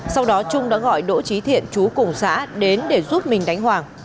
sau đó trung đã gọi đỗ trí thiện chú cùng xã đến để giúp mình đánh hoàng